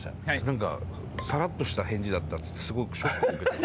なんかサラッとした返事だったっつってすごくショック受けてる。